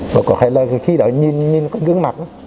và có thể là khi đó nhìn nhìn cái gương mặt